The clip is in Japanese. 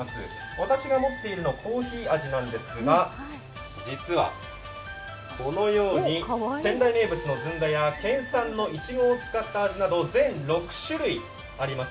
私が持っているのはコーヒー味なんですが、実は、このように仙台名物のずんだや県産のいちごを使った味など全６種類があります。